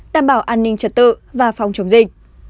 đảm bảo an ninh trật tự và phòng chống dịch